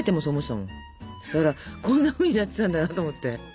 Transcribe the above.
だからこんなふうになってたんだなと思って。